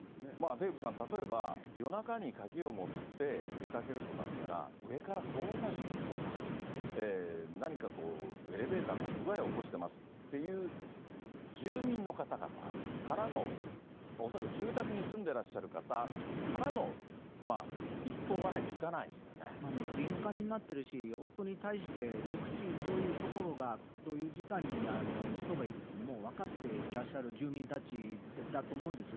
デーブさん、例えば夜中に鍵を持って出かけるとなったら、上から騒音がしますとか、何かこう、エレベーターが不具合を起こしてますっていう、住民の方々からの恐らく住宅に住んでらっしゃる方からの一報がな敏感になってるし、音に対して熟知、どういうところが、どういう時間に人がいるって、もう分かっていらっしゃる住民たちだと思うんです。